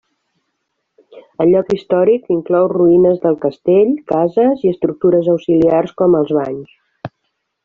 El lloc històric inclou ruïnes del castell, cases i estructures auxiliars com els banys.